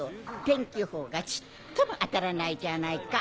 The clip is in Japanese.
天気予報がちっとも当たらないじゃないか。